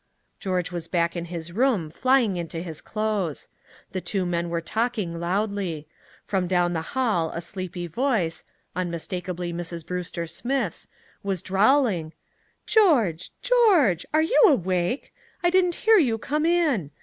George was back in his room, flying into his clothes. The two men were talking loudly. From down the hall a sleepy voice unmistakably Mrs. Brewster Smith's was drawling: "George George are you awake? I didn't hear you come in.